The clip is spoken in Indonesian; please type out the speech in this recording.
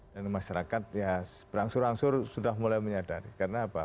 dan masyarakat ya berangsur angsur sudah mulai menyadari karena apa